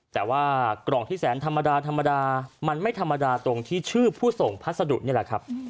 แต่ว่ากล่องที่แสนธรรมดาธรรมดามันไม่ธรรมดาตรงที่ชื่อผู้ส่งพัสดุนี่แหละครับ